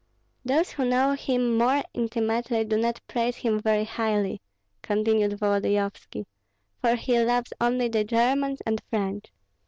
"Those who know him more intimately do not praise him very highly," continued Volodyovski, "for he loves only the Germans and French.